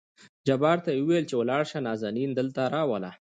جبار ته يې ووېل چې ولاړ شه نازنين دلته راوله.